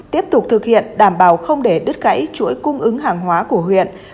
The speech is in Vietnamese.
tiếp tục thực hiện đảm bảo không để đứt gãy chuỗi cung ứng hàng hóa của huyện